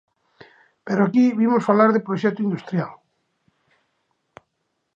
Pero aquí vimos falar de proxecto industrial.